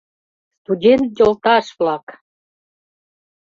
— Студент йолташ-влак!